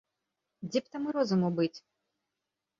Дзе б там і розуму быць?!